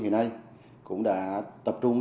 hiện nay cũng đã tập trung